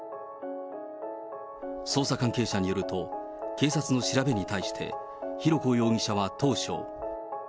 捜査関係者によると、警察の調べに対して、浩子容疑者は当初。